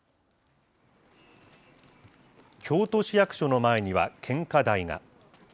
京都市役所の前には献花台が。